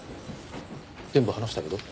全部話したけど？